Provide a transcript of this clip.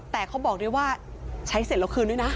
แต่เขาบอกด้วยว่าใช้เสร็จแล้วคืนด้วยนะ